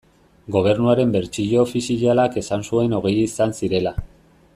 Gobernuaren bertsio ofizialak esan zuen hogei izan zirela.